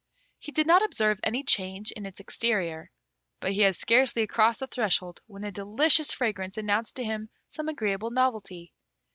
He did not observe any change in its exterior, but he had scarcely crossed the threshold when a delicious fragrance announced to him some agreeable novelty.